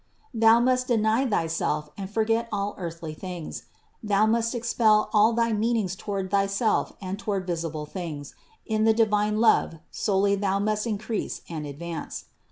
Thou must deny thyself and forget all earthly things; thou must expel all thy mean ings toward thyself and toward visible things, in the divine love solely thou must increase and advance.